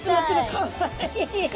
かわいい。